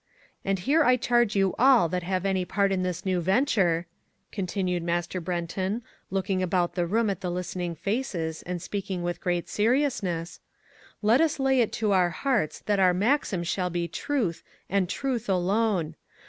And here I charge you all that have any part in this new venture," continued Master Brenton, looking about the room at the listening faces and speaking with great seriousness, "let us lay it to our hearts that our maxim shall be truth and truth alone.